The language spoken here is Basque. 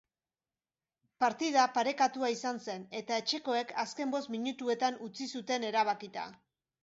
Partida parekatua izan zen eta etxekoek azken bost minutuetan utzi zuten erabakita.